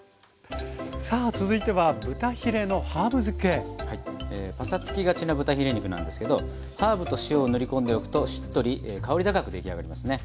さあ続いてはパサつきがちな豚ヒレ肉なんですけどハーブと塩を塗り込んでおくとしっとり香り高く出来上がりますね。